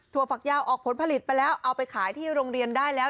ฝักยาวออกผลผลิตไปแล้วเอาไปขายที่โรงเรียนได้แล้ว